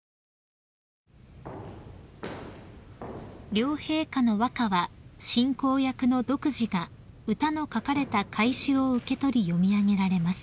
［両陛下の和歌は進行役の読師が歌の書かれた懐紙を受け取り詠み上げられます］